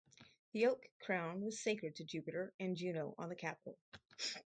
The oak crown was sacred to Jupiter and Juno on the Capitol.